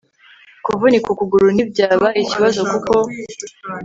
kuvunika ukuguru ntibyaba ikibazo kuko